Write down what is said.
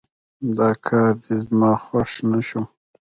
دا کار دې زما خوښ نه شو